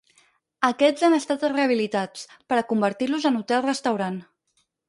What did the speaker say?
Aquests han estat rehabilitats, per a convertir-los en hotel restaurant.